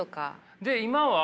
で今は？